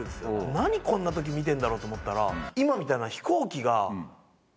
何こんな時見てんだろうと思ったら今みたいな。